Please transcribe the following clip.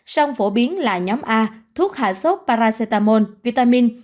song phổ biến là nhóm a thuốc hạ sốt paracetamol vitamin